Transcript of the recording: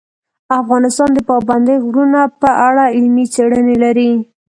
افغانستان د پابندی غرونه په اړه علمي څېړنې لري.